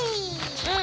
うん。